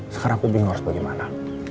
sekarang aku bingung harus bagaimana